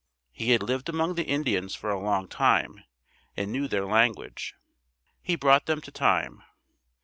He had lived among the Indians for a long time and knew their language. He brought them to time.